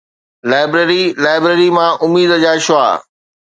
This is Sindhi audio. لائبرري لائبريري مان اميد جا شعاع